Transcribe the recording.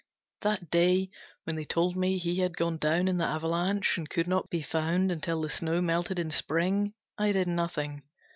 That day when they told me he had gone down in the avalanche, and could not be found until the snow melted in Spring, I did nothing.